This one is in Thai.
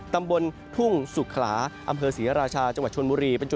ตำบลทุ่งสุขลาอำเภอศรีราชาจังหวัดชนบุรี